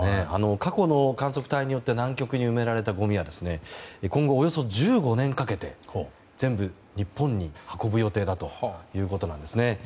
過去の観測隊によって南極に埋められたごみは今後、およそ１５年かけて全部日本に運ぶ予定だということなんですね。